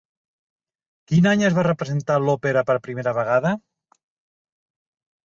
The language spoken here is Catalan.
Quin any es va representar l'òpera per primera vegada?